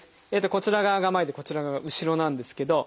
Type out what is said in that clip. こちら側が前でこちら側が後ろなんですけど。